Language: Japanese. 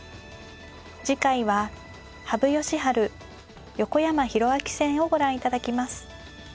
次回は羽生善治横山泰明戦をご覧いただきます。